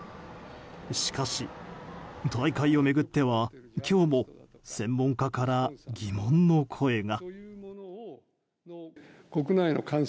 しかし大会を巡っては今日も専門家から疑問の声が。